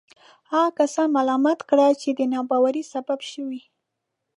هغه کسان ملامته کړي چې د ناباورۍ سبب شوي.